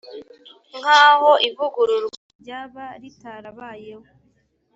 nk aho ivugururwa ryaba ritarabayeho